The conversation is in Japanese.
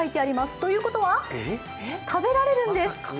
ということは食べられるんです！